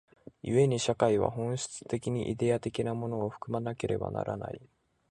故に社会は本質的にイデヤ的なものを含まなければならない。